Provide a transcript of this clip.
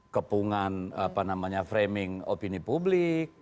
kepungan framing opini publik